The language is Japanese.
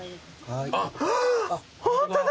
あっホントだ！